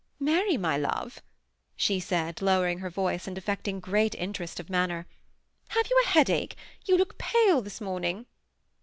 Mary, my love," she said, lowering her voice, and affecting great interest of manner, ''have you a headache? you look pale this morning."